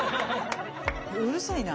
うるさいな。